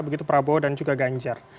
begitu prabowo dan juga ganjar